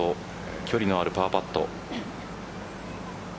距離のあるパーパット。